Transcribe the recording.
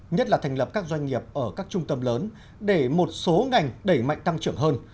nhất là thành lập các doanh nghiệp ở các trung tâm lớn để một số ngành đẩy mạnh tăng trưởng hơn